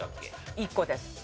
１個です。